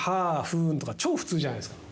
「ふん」とか超普通じゃないですか。